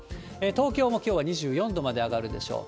東京もきょうは２４度まで上がるでしょう。